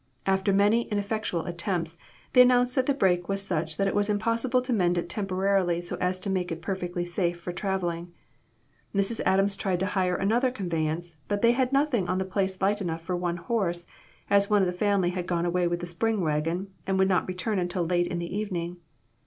After many ineffect ual attempts, they announced that the break was such that it was impossible to mend it temporarily so as to make it perfectly safe for traveling. Mrs. Adams tried to hire another conveyance, but they had nothing on the place light enough for one horse, as one of the family had gone away with the spring wagon, and would not return until late in the evening.